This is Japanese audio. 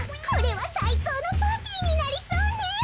これはさいこうのパーティーになりそうね。